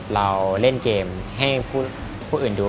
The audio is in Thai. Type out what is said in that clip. เราเล่นเกมให้ผู้อื่นดู